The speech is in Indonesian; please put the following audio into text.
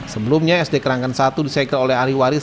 sebelumnya sd keranggan satu disekir oleh ahli waris